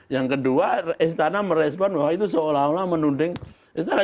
yang kedua istana merespon bahwa itu seolah olah menuding istana